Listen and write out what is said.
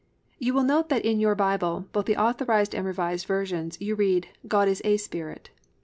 "+ You will note that in your Bible, both the Authorised and Revised Versions, you read, +"God is a Spirit."